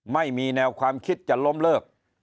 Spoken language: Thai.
ไม่มีแนวความคิดจะล้มเลิก